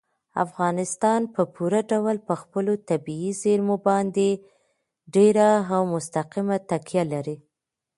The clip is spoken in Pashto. افغانستان په پوره ډول په خپلو طبیعي زیرمو باندې ډېره او مستقیمه تکیه لري.